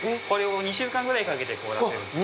２週間かけて凍らせるんです。